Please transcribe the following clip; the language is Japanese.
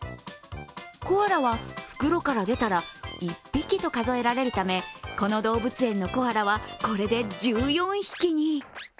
コアラは袋から出たら１匹と数えられるためこの動物園のコアラは、これで１４匹に。